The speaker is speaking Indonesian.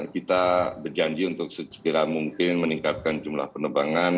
kita berjanji untuk sekira mungkin meningkatkan jumlah penerbangan